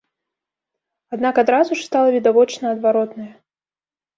Аднак адразу ж стала відавочна адваротнае.